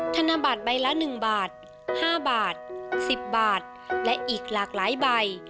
ธนบัตรใบละ๑บาท๕บาท๑๐บาทและอีกหลากหลายใบ